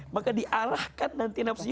maka diarahkan nanti nafsunya